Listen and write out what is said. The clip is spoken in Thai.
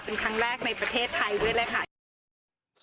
เป็นครั้งแรกในประเทศไทยด้วยแหละค่ะ